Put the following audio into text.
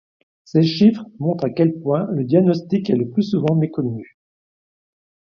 Ces chiffres montrent à quel point le diagnostic est le plus souvent méconnu.